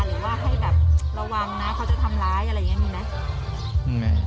หรือว่าให้แบบระวังนะเขาจะทำร้ายอะไรอย่างนี้มีไหม